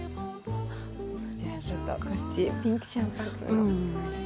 じゃあちょっとこっちピンク・シャンパンから。